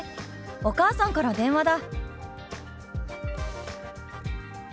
お母さんから電話だ」。